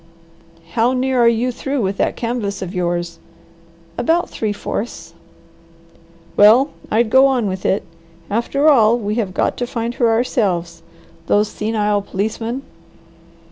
"How near are you through with that canvass of yours?" "About three fourths." "Well I'd go on with it. After all we have got to find her ourselves. Those senile policemen!"